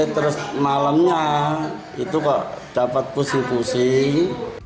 terus malamnya itu kok dapat pusing pusing